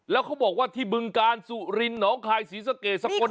แล้วเขาบอกว่าที่บึงกาลสุรินหนองคายศรีสะเกดสกล